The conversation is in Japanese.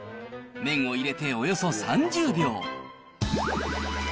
麺を入れておよそ３０秒。